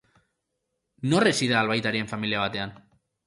Nor hezi da albaitarien familia batean?